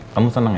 kamu senang ya